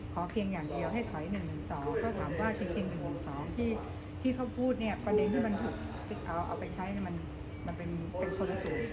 เพียงอย่างเดียวให้ถอย๑๑๒ถ้าถามว่าจริง๑๖๒ที่เขาพูดเนี่ยประเด็นที่มันถูกเอาไปใช้มันเป็นคนละส่วน